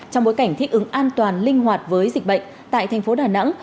trong bối cảnh thích ứng an toàn linh hoạt với dịch bệnh tại thành phố đà nẵng